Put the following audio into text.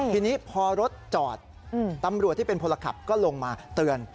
ทีนี้พอรถจอดตำรวจที่เป็นพลขับก็ลงมาเตือน